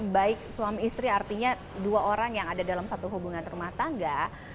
baik suami istri artinya dua orang yang ada dalam satu hubungan rumah tangga